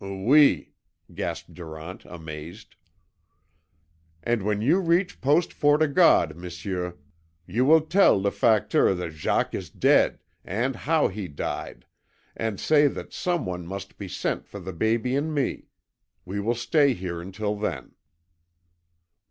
"OUI," gasped Durant, amazed. "And when you reach Post Fort O' God, m'sieu, you will tell LE FACTEUR that Jacques is dead, and how he died, and say that some one must be sent for the baby and me. We will stay here until then."